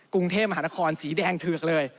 กรุงเทพมหานครสีแดงเถือกเลย